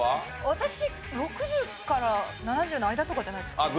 私６０から７０の間とかじゃないですか？